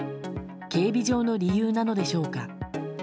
警備上の理由なのでしょうか。